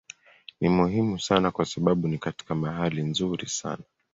Ni muhimu sana kwa sababu ni katika mahali nzuri sana.